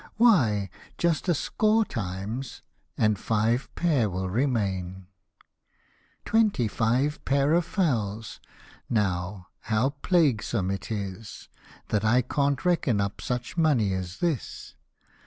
Why just a score times, and five pair will remain* " Twenty five pair of fowls now how plaguesome it is, That I can't reckon up such money as this